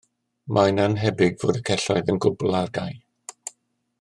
Mae'n annhebyg fod y celloedd yn gwbl ar gau